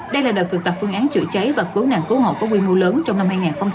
đây là đợt thực tập phương án chữa cháy và cứu nạn cứu hộ có quy mô lớn trong năm hai nghìn hai mươi ba